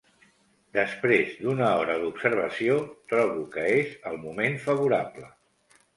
Després d'una hora d'observació, trobo que és el moment favorable.